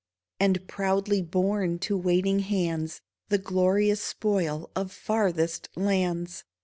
And proudly borne to waiting hands The glorious spoil of farthest lands